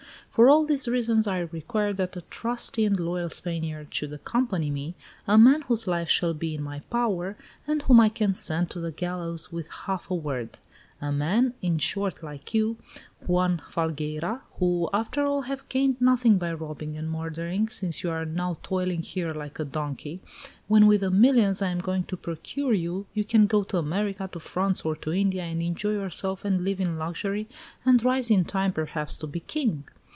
For all these reasons, I require that a trusty and loyal Spaniard should accompany me, a man whose life shall be in my power, and whom I can send to the gallows with half a word; a man, in short like you, Juan Falgueira, who, after all, have gained nothing by robbing and murdering, since you are now toiling here like a donkey, when with the millions I am going to procure you, you can go to America, to France, or to India, and enjoy yourself, and live in luxury, and rise in time perhaps to be king.